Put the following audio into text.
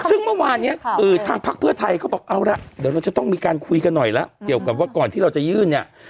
ซึ่งเมื่อวานเนี่ยทางพักเพื่อไทยเขาบอกเอาละเดี๋ยวเราจะต้องมีการคุยกันหน่อยแล้วเกี่ยวกับว่าก่อนที่เราจะยื่นเนี่ย